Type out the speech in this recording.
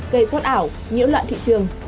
gây rốt ảo nhữ loạn thị trường